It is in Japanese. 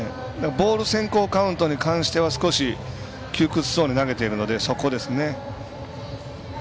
ボール先行カウントに関しては少し、窮屈そうに投げているので、そこですね。